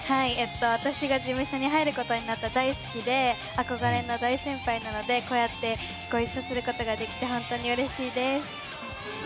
私が事務所に入ることになった大好きで、憧れの大先輩なのでこうやってご一緒できて本当にうれしいです。